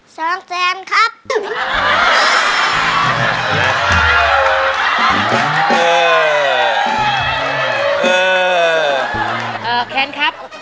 ๒แจนครับ